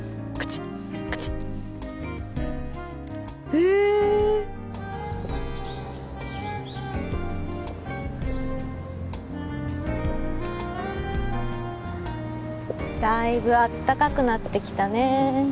へえだいぶあったかくなってきたね